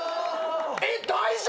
えっ大丈夫！？